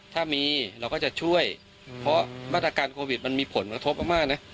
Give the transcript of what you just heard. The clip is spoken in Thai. ถ้ามีเราก็จะช่วยเพราะวัดอาการโควิตมันมีผลมันทบก็มากนะ